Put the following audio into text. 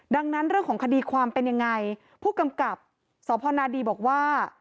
ดังนั้นเรื่องของคดีความเป็นยังไงผู้กำกับสพนดีบอกว่า